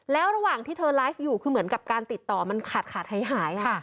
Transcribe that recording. แล้วระหว่างที่เธอไลฟ์อยู่คือเหมือนกับการติดต่อมันขาดขาดหายค่ะ